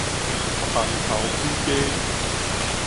蔥頭水雞